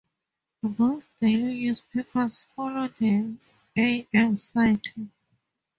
Most daily newspapers follow the a.m. cycle.